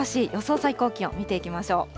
最高気温、見ていきましょう。